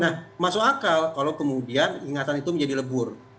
nah masuk akal kalau kemudian ingatan itu menjadi lebur